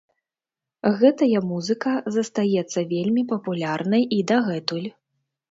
Гэтая музыка застаецца вельмі папулярнай і дагэтуль.